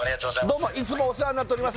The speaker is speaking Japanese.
どうもいつもお世話になっております